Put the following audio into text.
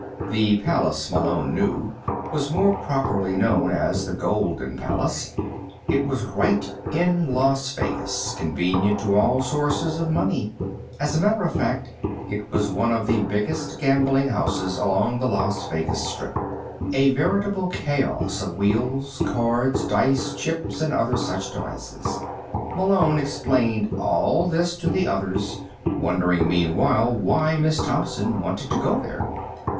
The Palace, Malone knew, was more properly known as the Golden Palace. It was right in Las Vegas convenient to all sources of money. As a matter of fact, it was one of the biggest gambling houses along the Las Vegas strip, a veritable chaos of wheels, cards, dice, chips and other such devices. Malone explained all this to the others, wondering meanwhile why Miss Thompson wanted to go there.